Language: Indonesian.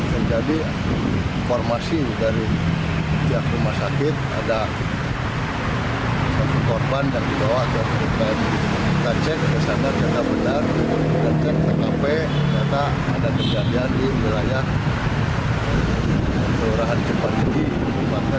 kita cek kesana jatah benar kita cek tkp ternyata ada kejadian di wilayah perurahan jepang ini